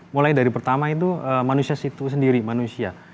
mulai dari pertama itu manusia situ sendiri manusia